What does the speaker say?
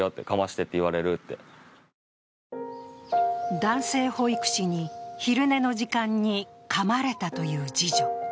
男性保育士に昼寝の時間にかまれたという次女。